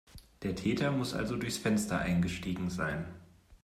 Der Täter muss also durchs Fenster eingestiegen sein.